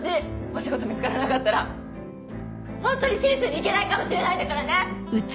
お仕事見つからなかったらホントに私立に行けないかもしれないんだからね！